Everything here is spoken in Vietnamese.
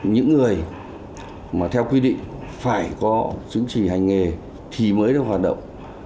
những người mà theo quy định phải có chứng chỉ hành nghề thì mới được hoạt động